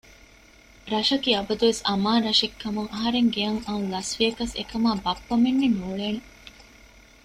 ރަށަކީ އަބަދުވެސް އަމާން ރަށެއްކަމުން އަހަރެން ގެޔަށް އައުން ލަސްވިޔަކަސް އެކަމަކާ ބައްޕަ މެންނެއް ނޫޅޭނެ